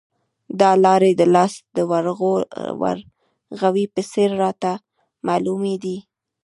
دا لارې د لاس د ورغوي په څېر راته معلومې دي.